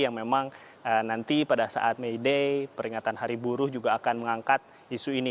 yang memang nanti pada saat may day peringatan hari buruh juga akan mengangkat isu ini